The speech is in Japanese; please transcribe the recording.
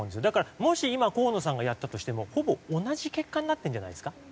だからもし今河野さんがやったとしてもほぼ同じ結果になってるんじゃないですか？